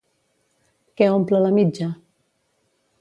Què omple la mitja?